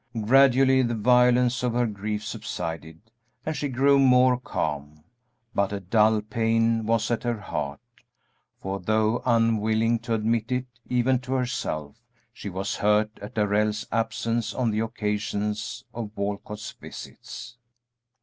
Gradually the violence of her grief subsided and she grew more calm, but a dull pain was at her heart, for though unwilling to admit it even to herself, she was hurt at Darrell's absence on the occasions of Walcott's visits.